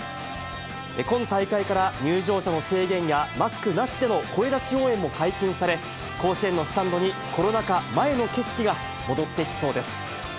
今大会から入場者の制限や、マスクなしでの声出し応援も解禁され、甲子園のスタンドにコロナ禍前の景色が戻ってきそうです。